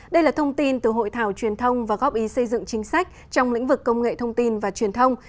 đây là thông tin từ hội thảo truyền thông và góp ý xây dựng chính sách trong lĩnh vực công nghệ thông tin và truyền thông